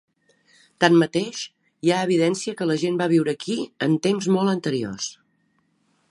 Tanmateix, hi ha evidència que la gent va viure aquí en temps molt anteriors.